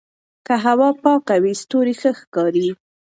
که هوا پاکه وي ستوري ښه ښکاري.